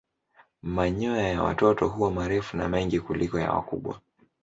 Manyoya ya watoto huwa marefu na mengi kuliko ya wakubwa.